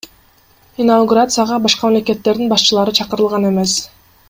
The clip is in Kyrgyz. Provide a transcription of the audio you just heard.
Инаугурацияга башка мамлекеттердин башчылары чакырылган эмес.